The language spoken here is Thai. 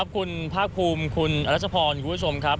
คุณภาคภูมิคุณรัชพรคุณผู้ชมครับ